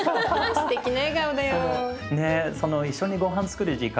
すてきな笑顔だよ。